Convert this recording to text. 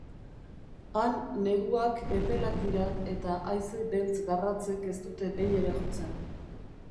Han, neguak epelak dira eta haize beltz garratzek ez dute behin ere jotzen.